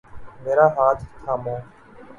میرا ہاتھ تھامو